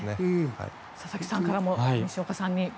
佐々木さんからも西岡さんに。